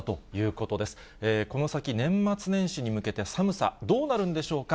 この先、年末年始に向けて寒さ、どうなるんでしょうか。